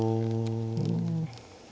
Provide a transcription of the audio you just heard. うん。